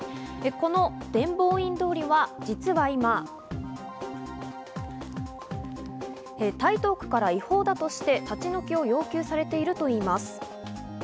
この伝法院通りは実は今、台東区から違法だとして立ち退きを要求されているといいます。